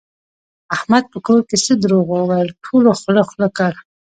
احمد په کور کې څه دروغ وویل ټولو خوله خوله کړ.